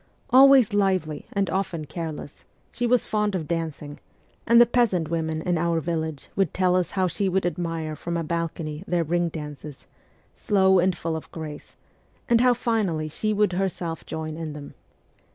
Always lively and often careless/ she was fond of dancing, and the peasant women in our village would tell us how she would admire from a balcony their ring dances slow and full of grace and how finally she would herself join in them.